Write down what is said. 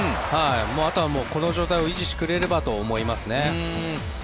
あとはこの状態を維持してくれればと思います。